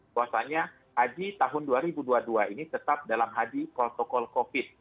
bahwasannya haji tahun dua ribu dua puluh dua ini tetap dalam haji protokol covid